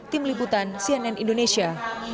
tim liputan cnn indonesia